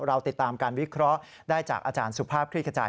เราติดตามการวิเคราะห์ได้จากอาจารย์สุภาพคลี่ขจาย